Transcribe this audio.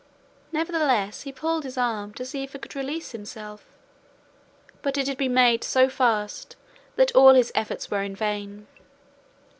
Nevertheless he pulled his arm to see if he could release himself, but it had been made so fast that all his efforts were in vain.